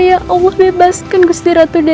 iya kasihan gusti ratu